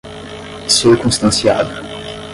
circunstanciada